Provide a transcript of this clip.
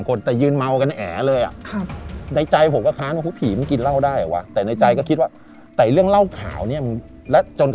คือคนปกติด้านล่าง